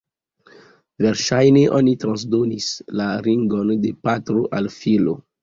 Verŝajne oni transdonis la ringon de patro al filo.